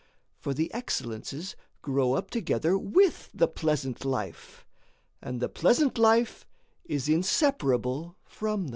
[note] For the excellences grow up together with the pleasant life, and the pleasant life is inseparable from them.